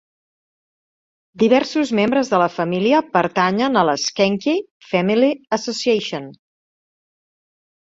Diversos membres de la família pertanyen a la Skanke Family Association.